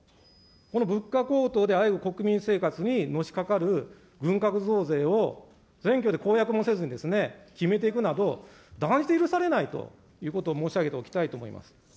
この物価高騰であえぐ国民生活にのしかかる軍拡増税を選挙で公約もせずに決めていくなど、断じて許されないということを申し上げておきたいと思います。